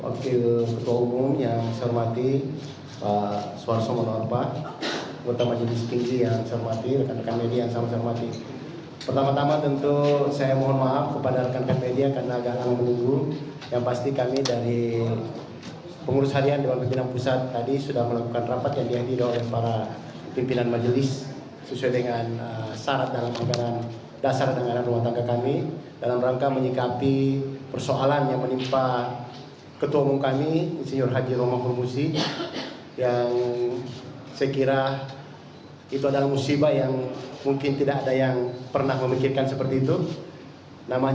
kepada pemerintah saya ingin mengucapkan terima kasih kepada pemerintah dan pemerintah pemerintah yang telah menonton